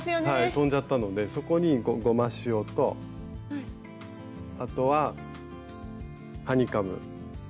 飛んじゃったのでそこにゴマシオとあとはハニカム。